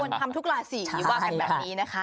จริงควรทำทุกราศีบ้างแบบนี้นะคะ